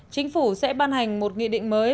chính phủ sẽ ban hành một nghị định mới